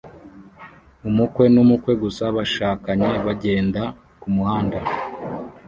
Umukwe n'umukwe gusa bashakanye bagenda kumuhanda